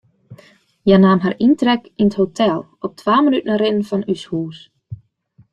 Hja naam har yntrek yn it hotel, op twa minuten rinnen fan ús hûs.